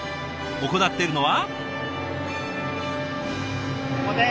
行っているのは。